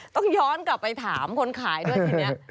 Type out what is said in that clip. ต้องย้อนกลับไปถามคนขายด้วยทีนี้